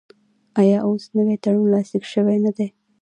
آیا اوس نوی تړون لاسلیک شوی نه دی؟